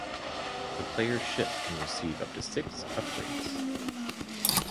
The player's ship can receive up to six upgrades.